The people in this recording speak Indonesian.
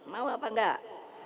mau apa nggak